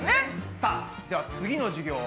さあでは次の授業は。